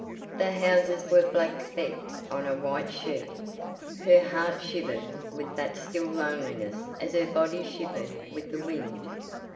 The houses were black specks on a white sheet. Her heart shivered with that still loneliness as her body shivered with the wind.